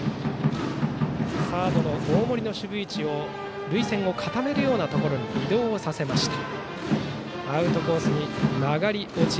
サードの大森の守備位置を塁線を固めるようなところに移動させました。